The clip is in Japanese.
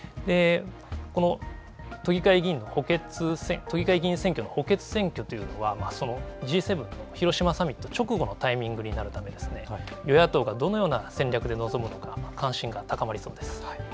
この都議会議員選挙の補欠選挙というのは、Ｇ７の広島サミット直後のタイミングになるため、与野党がどのような戦略で臨むのか、関心が高まりそうです。